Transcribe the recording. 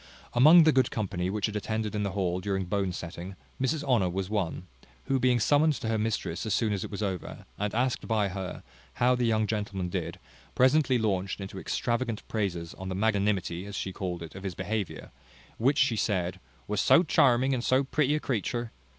Among the good company which had attended in the hall during the bone setting, Mrs Honour was one; who being summoned to her mistress as soon as it was over, and asked by her how the young gentleman did, presently launched into extravagant praises on the magnanimity, as she called it, of his behaviour, which, she said, "was so charming in so pretty a creature."